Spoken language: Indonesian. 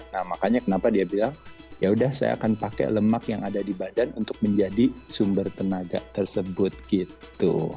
nah makanya kenapa dia bilang yaudah saya akan pakai lemak yang ada di badan untuk menjadi sumber tenaga tersebut gitu